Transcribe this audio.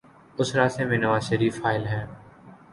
اس راستے میں نوازشریف حائل ہیں۔